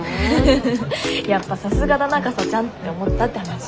やっぱさすがだなかさちゃんって思ったって話。